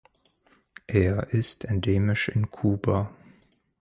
Er ist endemisch in Kuba.